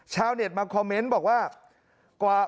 ชาวเน็ตมาคอมเมนต์บอกว่า